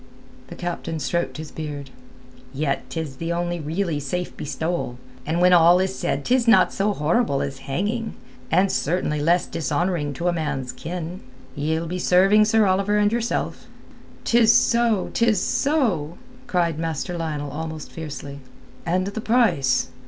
The captain stroked his beard. "Yet 'tis the only really safe bestowal, and when all is said 'tis not so horrible as hanging, and certainly less dishonouring to a man's kin. Ye'ld be serving Sir Oliver and yourself." "'Tis so, tis so," cried Master Lionel almost fiercely. "And the price?"